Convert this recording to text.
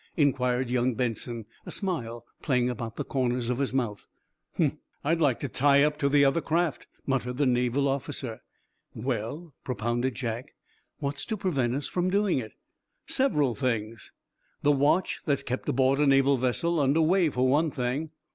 inquired young Benson, a smile playing about the corners of his mouth. "Humph! I'd like to tie up to the other craft," muttered the Naval officer. "Well," propounded Jack, "what's to prevent us from doing it?" "Several things. The watch that's kept aboard a Naval vessel under way, for one thing."